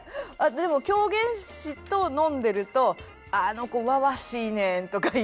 でも狂言師と飲んでると「あの子わわしいねん」とか言いますよ。